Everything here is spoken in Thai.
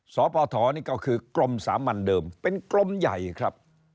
สพนี่ก็คือกรมสามัญเดิมเป็นกรมใหญ่ครับ